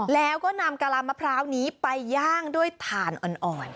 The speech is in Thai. แล้วก็นำกะลามะพร้าวนี้ไปย่างด้วยถ่านอ่อน